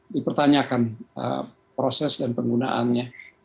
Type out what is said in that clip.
dipertanyakan proses dan penggunaannya